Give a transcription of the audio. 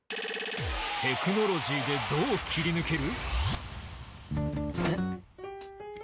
テクノロジーでどう切り抜ける？